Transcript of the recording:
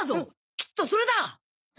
きっとそれだ！